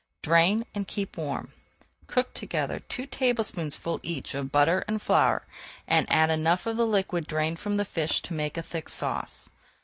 Drain and keep warm. Cook together two tablespoonfuls each of butter and flour and add enough of the liquid drained from the fish to make a thick sauce.